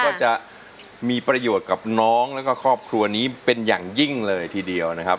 ก็จะมีประโยชน์กับน้องแล้วก็ครอบครัวนี้เป็นอย่างยิ่งเลยทีเดียวนะครับ